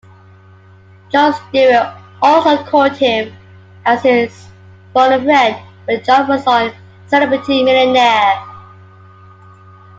Jon Stewart also called him as his phone-a-friend when Jon was on "Celebrity Millionaire".